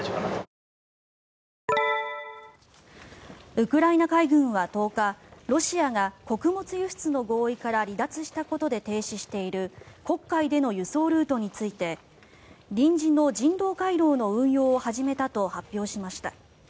ウクライナ海軍は１０日ロシアが穀物輸出の合意から離脱したことで停止している黒海での輸送ルートについて臨時の人道回廊の運用を始めたと発表しました。